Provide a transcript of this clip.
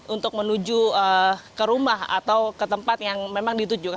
untuk menuju ke rumah atau ke tempat yang memang ditujukan